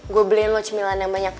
gue blend lo cemilan yang banyak